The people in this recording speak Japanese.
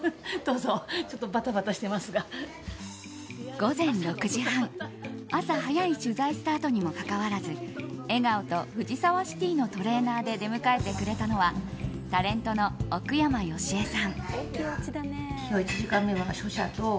午前６時半朝早いスタートにもかかわらず笑顔と藤沢シティーのトレーナーで出迎えてくれたのはタレントの奥山佳恵さん。